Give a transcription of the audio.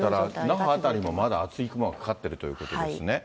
だから那覇あたりもまだ厚い雲がかかってるということですね。